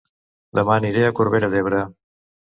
Dema aniré a Corbera d'Ebre